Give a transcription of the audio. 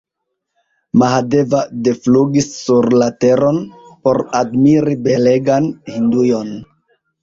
Mahadeva deflugis sur la teron, por admiri belegan Hindujon.